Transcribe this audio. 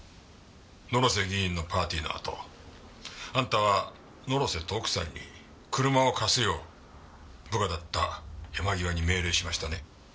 野呂瀬議員のパーティーのあとあんたは野呂瀬と奥さんに車を貸すよう部下だった山際に命令しましたね？